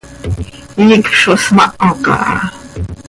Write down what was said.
Iicp zo smaho caha.